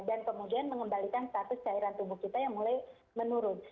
kemudian mengembalikan status cairan tubuh kita yang mulai menurun